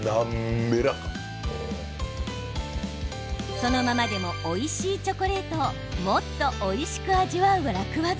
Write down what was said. そのままでもおいしいチョコレートをもっとおいしく味わう楽ワザ